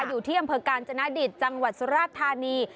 อยู่ที่อำเภอกาญจนดิตจังหวัดสุราชธานี